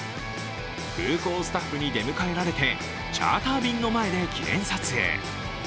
空港スタッフに出迎えられてチャーター機の前で記念撮影。